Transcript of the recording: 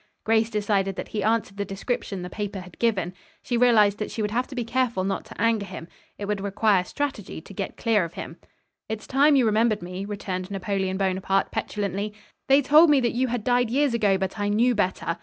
Grace decided that he answered the description the paper had given. She realized that she would have to be careful not to anger him. It would require strategy to get clear of him. "It's time you remembered me," returned Napoleon Bonaparte, petulantly. "They told me that you had died years ago, but I knew better.